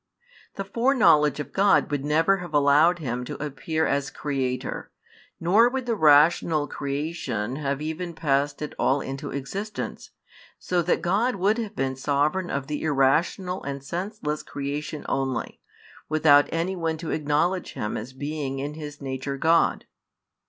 The foreknowledge of God would never have allowed Him to appear as Creator, nor would the rational creation have even passed at all into existence, so that God would have been Sovereign of the irrational and senseless creation only, without anyone to acknowledge Him as being in His nature God.